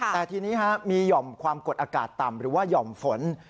แต่ทีนี้มีหย่อมความกดอากาศต่ำหรือว่าหย่อมฝน